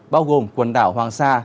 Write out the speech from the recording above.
bao gồm quần đảo hoàng sa